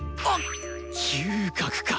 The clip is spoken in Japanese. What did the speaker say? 嗅覚か。